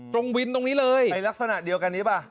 ตรงวินตรงนี้เลยในลักษณะเดียวกันนี้ป่ะ